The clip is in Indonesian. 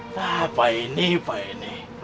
pak ini pak ini